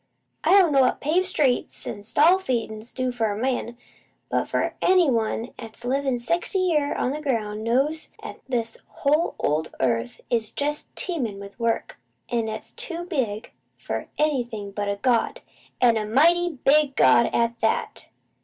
I don't know what paved streets an' stall feedin' do for a man, but any one 'at's lived sixty year on the ground knows 'at this whole old earth is jest teemin' with work 'at's too big for anything but a God, an' a mighty BIG God at that!